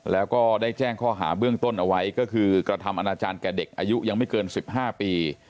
แล้วก็ได้แจ้งข้อหาเบื้องต้นเอาไว้ก็คือกระทำอนาจารย์แก่เด็กอายุยังไม่เกิน๑๕ปี